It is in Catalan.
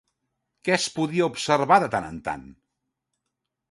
Què es podia observar de tant en tant?